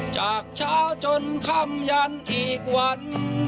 จากเช้าจนค่ำยันอีกวัน